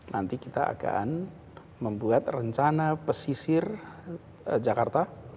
nanti kita akan membuat rencana pesisir jakarta